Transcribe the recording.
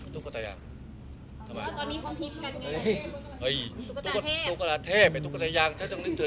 เดี๋ยวครับต้องการส่วนเง็น